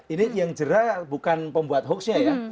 ini yang jerah bukan pembuat hoaxnya ya